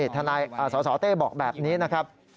ทนายสสเต้บอกแบบนี้นะครับ